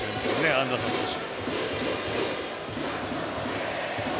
アンダーソン投手。